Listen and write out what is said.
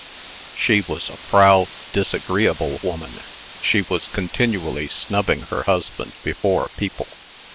She was a proud, disagreeable woman. She was continually snubbing her husband before people.